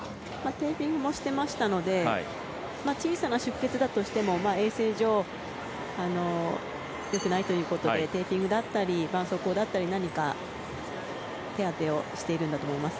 テーピングもしてましたので小さな出血だとしても衛生上、良くないということでテーピングだったりばんそうこうだったり何か、手当てをしているんだと思います。